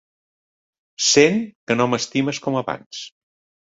Sent que no m'estimes com abans.